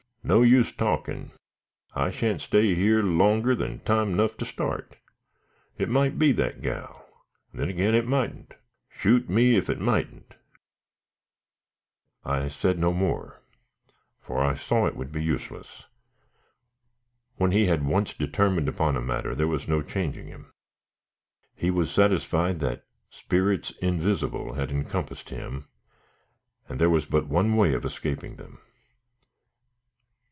No use talkin', I shan't stay here longer than time 'nough to start. It might be that gal, and then agin it moughn't. Shoot me ef it moughn't." I said no more, for I saw it would be useless. When he had once determined upon a matter there was no changing him. He was satisfied that "spirits invisible" had encompassed him, and there was but one way of escaping them.